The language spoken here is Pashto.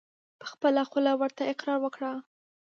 په خپله خوله ورته اقرار وکړه !